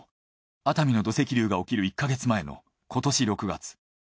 熱海の土石流が起きる１か月前の今年６月。